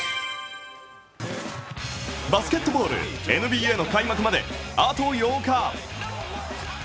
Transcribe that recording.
バスケットボール、ＮＢＡの開幕まであと８日。